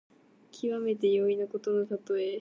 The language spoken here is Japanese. きわめて容易なことのたとえ。